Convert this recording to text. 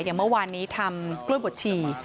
อย่างเมื่อวานนี้ทำกล้วยบดฉี่